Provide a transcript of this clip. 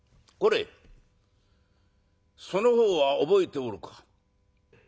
これその方は覚えておるか？」。